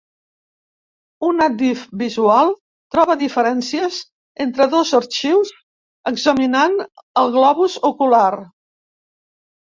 Una dif. visual troba diferències entre dos arxius examinant el globus ocular.